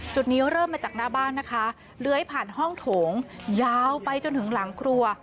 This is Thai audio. จุดนี้เริ่มมาจากหน้าบ้านนะคะเลื้อยผ่านห้องโถงยาวไปจนถึงหลังครัว